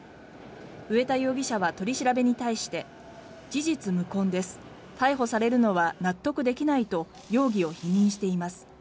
上田容疑者は取り調べに対して事実無根です逮捕されるのは納得できないと容疑を否認しています。